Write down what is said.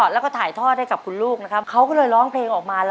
แล้วก็ทานเนย